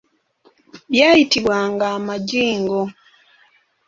Byayitibwanga majingo.